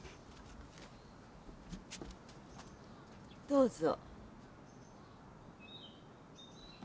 どうぞ。